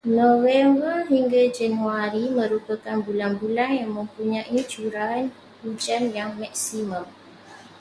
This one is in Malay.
November hingga Januari merupakan bulan-bulan yang mempunyai curahan hujan yang maksimum.